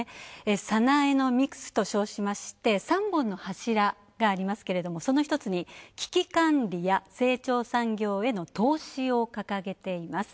サナエノミクスと称しまして３本の柱がありますけれどもその一つに危機管理や成長産業への投資を掲げています。